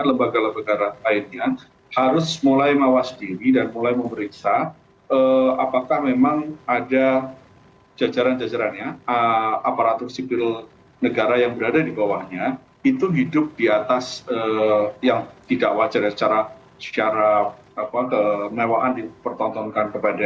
lembaga lembaga lainnya harus mulai mewas diri dan mulai memeriksa apakah memang ada jajaran jajarannya aparatur sipil negara yang berada di bawahnya itu hidup di atas yang tidak wajar secara kemewaan dipertontonkan kepada